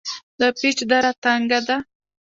د پیج دره تنګه ده